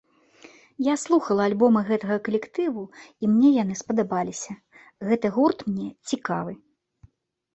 Я слухаў альбомы гэтага калектыву, і мне яны спадабаліся, гэты гурт мне цікавы.